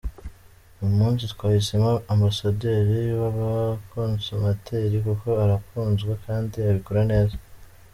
Uyu munsi twahisemo ambasaderi w’abakonsomateri kuko arakunzwe kandi abikora neza.